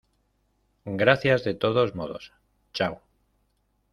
gracias de todos modos. chao .